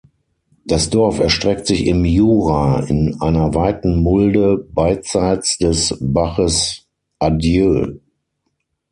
Das Dorf erstreckt sich im Jura, in einer weiten Mulde beidseits des Baches Audeux.